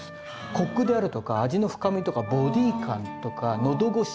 コクであるとか味の深みとかボディ感とか喉越しとか。